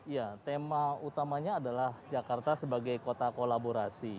ya tema utamanya adalah jakarta sebagai kota kolaborasi